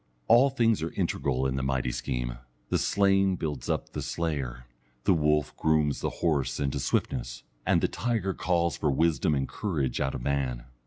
All things are integral in the mighty scheme, the slain builds up the slayer, the wolf grooms the horse into swiftness, and the tiger calls for wisdom and courage out of man.